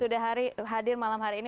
sudah hadir malam hari ini